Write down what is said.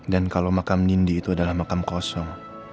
dan kalau makam nindi itu adalah makam kosong